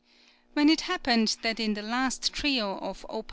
When it happened that in the last trio of Op.